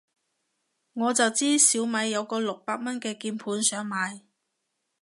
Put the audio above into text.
我就知小米有個六百蚊嘅鍵盤想買